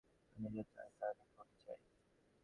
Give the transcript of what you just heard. আমি যা চাই তা আমি খুবই চাই।